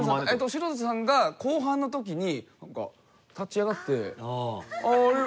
白田さんが後半の時に何か立ち上がって。